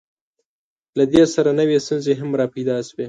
له دې سره نوې ستونزې هم راپیدا شوې.